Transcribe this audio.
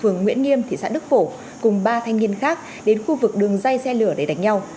phường nguyễn nghiêm thị xã đức phổ cùng ba thanh niên khác đến khu vực đường dây xe lửa để đánh nhau